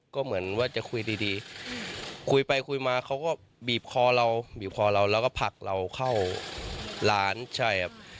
ก็เหมือนว่าจะคุยดีคุยไปคุยมาเขาก็บีบคอเราบีบคอเราแล้วก็ผลักเราเข้าร้านใช่ครับ